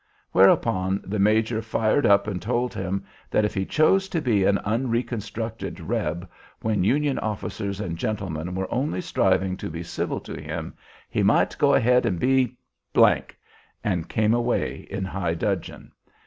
Whereupon the major fired up and told him that if he chose to be an unreconstructed reb, when Union officers and gentlemen were only striving to be civil to him, he might 'go ahead and be d d,' and came away in high dudgeon."